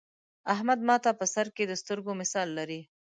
احمد ماته په سر کې د سترگو مثال لري.